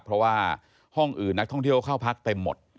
เพราะว่าห้องอื่นนักท่องเที่ยวเข้าพักเต็มหมด